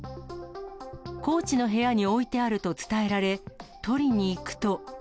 コーチの部屋に置いてあると伝えられ、取りに行くと。